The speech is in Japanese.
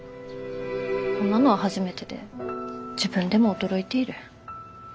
こんなのは初めてで自分でも驚いている。